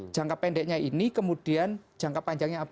jangka pendeknya ini kemudian jangka panjangnya apa